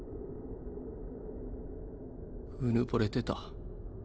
うぬぼれてた。